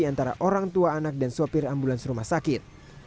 antara orang tua anak dan sopir ambulans rumah sakit